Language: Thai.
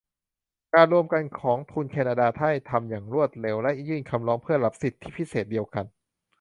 การรวมกันของทุนแคนาดาได้ทำอย่างรวดเร็วและยื่นคำร้องเพื่อรับสิทธิพิเศษเดียวกัน